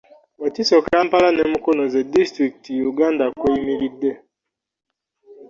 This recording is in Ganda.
Wakiso, Kampala ne Mukono ze disitulikiti Uganda kweyimiridde.